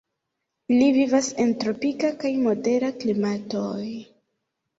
Ili vivas en tropika kaj modera klimatoj.